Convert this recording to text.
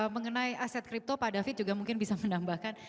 mengenai aset kripto pak david juga mungkin bisa menambahkan